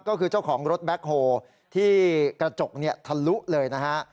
ก็คือเจ้าของรถแบ็คโฮที่กระจกเนี่ยทะลุเลยนะฮะ